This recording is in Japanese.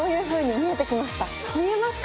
見えますか？